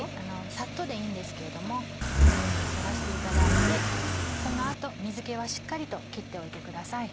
さっとでいいんですけれどもこのようにさらしていただいてその後水気はしっかりと切っておいてください。